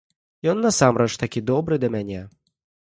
Ён насамрэч такі добры да мяне!